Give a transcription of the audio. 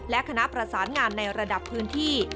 และคณะประสานงานในระดับพื้นที่